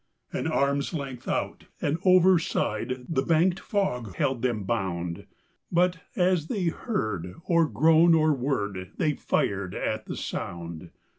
An arm's length out and overside the banked fog held them bound; But, as they heard or groan or word, they fired at the sound.